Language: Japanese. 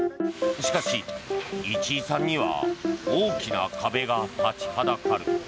しかし、市居さんには大きな壁が立ちはだかる。